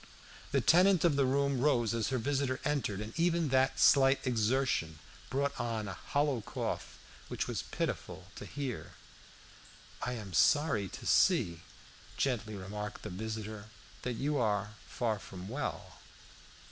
The tenant of the room rose as her visitor entered, and even that slight exertion brought on a hollow cough which was pitiful to hear. "I am sorry to see," gently remarked the visitor, "that you are far from well."